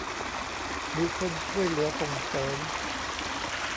มีคนช่วยเหลือส่งเสริม